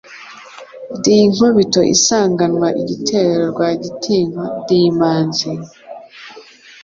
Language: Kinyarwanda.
Ndi inkubito isanganwa igitero Rwagitinywa ndi Imanzi,